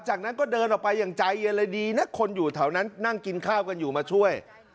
จากนั้นก็เดินออกไปอย่างใจเย็นเลยดีนะคนอยู่แถวนั้นนั่งกินข้าวกันอยู่มาช่วย